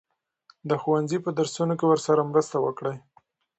د ښوونځي په درسونو کې ورسره مرسته وکړئ.